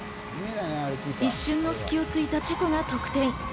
一瞬の隙をついたチェコが得点。